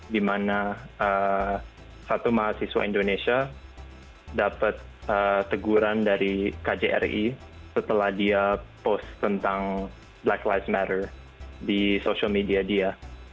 dimana satu mahasiswa indonesia dapat teguran dari kjri setelah dia post tentang black live matter di social media dia